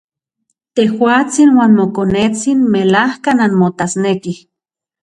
Tejuatsin uan mokonetsin melajka nanmotasnekij.